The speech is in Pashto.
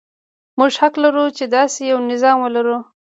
موږ حق لرو چې داسې یو نظام ولرو.